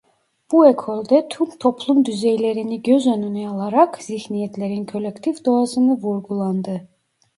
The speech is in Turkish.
Bu ekolde tüm toplum düzeylerini göz önüne alarak zihniyetlerin kolektif doğasını vurgulandı.